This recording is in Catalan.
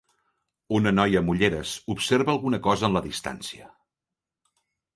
Una noia amb ulleres observa alguna cosa en la distància.